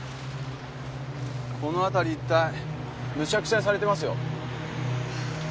この辺り一帯むちゃくちゃにされてますよ。